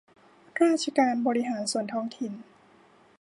ราชการบริหารส่วนท้องถิ่น